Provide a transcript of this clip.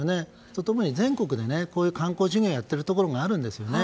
それと共に全国でこういう観光事業やっているところがあるんですね。